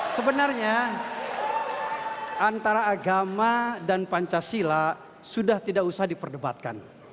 sebenarnya antara agama dan pancasila sudah tidak usah diperdebatkan